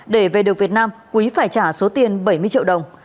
để về được việt nam quý phải trả số tiền bảy mươi triệu đồng